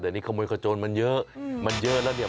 เดี๋ยวนี้ขโมยขจรมันเยอะมันเยอะแล้วเนี่ย